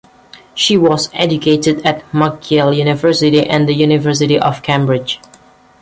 She was educated at McGill University and the University of Cambridge.